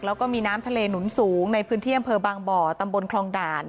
แล้วก็มีน้ำทะเลหนุนสูงในพื้นที่อำเภอบางบ่อตำบลคลองด่าน